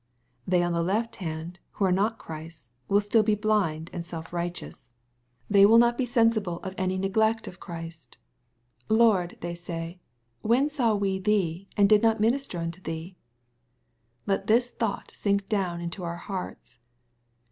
— They on the left hand, who are not Christ's, will still be blind and self righteous. They will not be sensible of any 844 SXP08IT0BT THOUGHTS. neglect of Christ. " Lord/' they say, " when saw wc thee, — and did not minister nnto thee ?*' Let this thought sink down into our hearts.